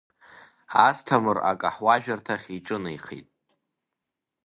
Асҭамыр акаҳуажәырҭахь иҿынеихеит.